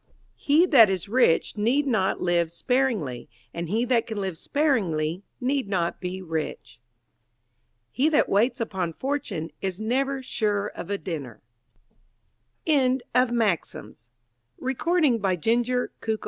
He that is rich need not live sparingly, and he that can live sparingly need not be rich. He that waits upon fortune is never sure of a dinner. NEVADA SKETCHES BY SAMUEL L. CLEMENS IN CARSON